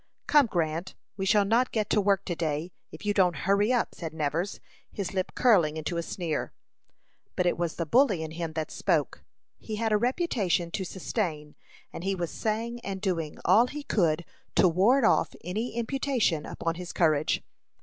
"Come, Grant, we shall not get to work to day, if you don't hurry up," said Nevers, his lip curling into a sneer. But it was the bully in him that spoke. He had a reputation to sustain, and he was saying and doing all he could to ward off any imputation upon his courage.